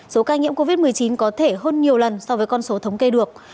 số ca nhiễm covid một mươi chín có thể hơn nhiều lần so với con số thống kê được